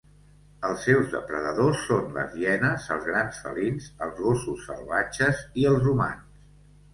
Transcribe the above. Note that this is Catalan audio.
Els seus depredadors són les hienes, els grans felins, els gossos salvatges i els humans.